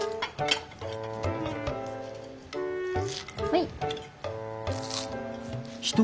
はい。